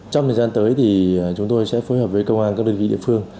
trong thời gian tới thì chúng tôi sẽ phối hợp với công an các đơn vị địa phương